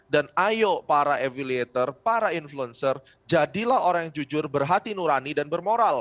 dan ayo para avaliator para influencer jadilah orang yang jujur berhati nurani dan bermoral